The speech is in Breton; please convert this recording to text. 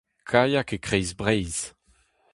Kaiak e-kreiz Breizh.